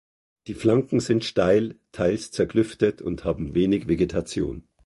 Die Flanken sind steil, teils zerklüftet und haben wenig Vegetation.